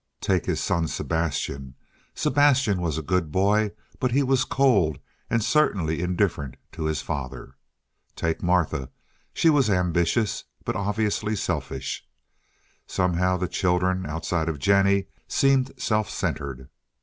Take his son Sebastian. Sebastian was a good boy, but he was cold, and certainly indifferent to his father. Take Martha—she was ambitious, but obviously selfish. Somehow the children, outside of Jennie, seemed self centered.